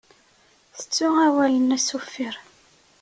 Tettu awal-nnes uffir.